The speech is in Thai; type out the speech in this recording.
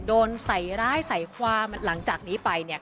โดนใส่ร้ายใส่ความหลังจากนี้ไปเนี่ย